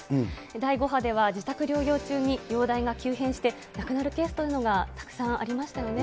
第５波では自宅療養中に容体が急変して亡くなるケースというのがたくさんありましたよね。